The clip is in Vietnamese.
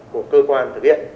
của cơ quan thực hiện